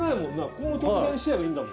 ここも扉にしちゃえばいいんだもん。